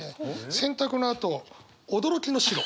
洗濯のあと「驚きの白！！」。